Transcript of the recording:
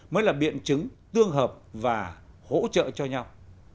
mới là biện chứng tương hợp và hỗ trợ cho nhau